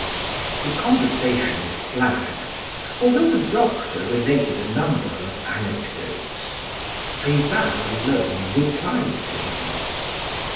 The conversation flagged, although the doctor related a number of anecdotes. Rival alone replied to him.